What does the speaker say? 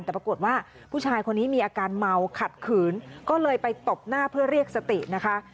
แต่ปรากฏว่าผู้ชายคนนี้มีอาการเมาขัดขืนก็เลยไปตบหน้าเพื่อเรียกสตินะคะ